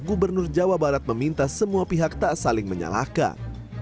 gubernur jawa barat meminta semua pihak tak saling menyalahkan